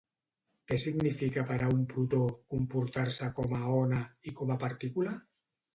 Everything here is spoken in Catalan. Què significa per a un protó comportar-se com a ona i com a partícula?